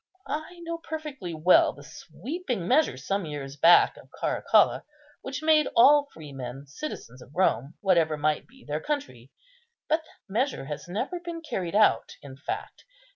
I know perfectly well the sweeping measure some years back of Caracalla, which made all freemen citizens of Rome, whatever might be their country; but that measure has never been carried out in fact.